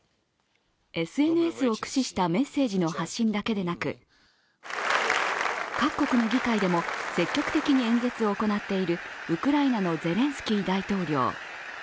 ＳＮＳを駆使したメッセージの発信だけでなく各国の議会でも積極的に演説を行っているウクライナのゼレンスキー大統領。